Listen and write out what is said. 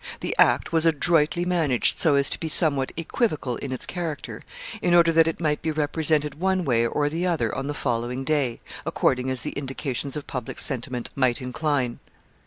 The act was adroitly managed so as to be somewhat equivocal in its character, in order that it might be represented one way or the other on the following day, according as the indications of public sentiment might incline.